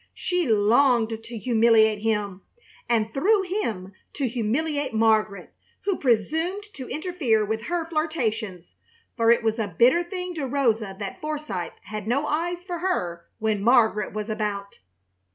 She longed to humiliate him, and through him to humiliate Margaret, who presumed to interfere with her flirtations, for it was a bitter thing to Rosa that Forsythe had no eyes for her when Margaret was about.